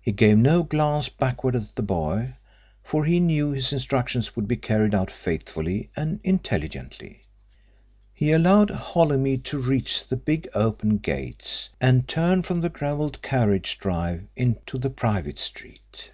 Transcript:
He gave no glance backward at the boy, for he knew his instructions would be carried out faithfully and intelligently. He allowed Holymead to reach the big open gates, and turn from the gravelled carriage drive into the private street.